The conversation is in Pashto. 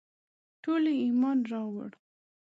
ټولو ایمان راووړ.